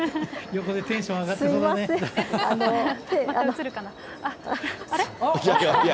横でテンション上がってそう映るかな？